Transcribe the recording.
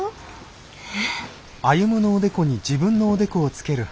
えっ？